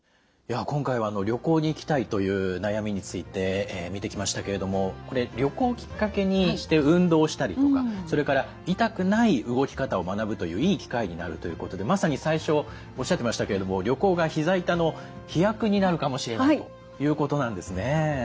今回は旅行に行きたいという悩みについて見てきましたけれどもこれ旅行をきっかけにして運動したりとかそれから痛くない動き方を学ぶといういい機会になるということでまさに最初おっしゃってましたけれども旅行がひざ痛の秘薬になるかもしれないということなんですね。